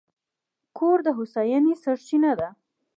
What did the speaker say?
کور د هوساینې سرچینه ده.